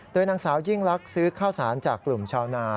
โดยนางสาวยิ่งลักษณ์ซื้อข้าวสารจากกลุ่มชาวนา